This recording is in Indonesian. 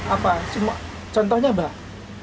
apa contohnya mbah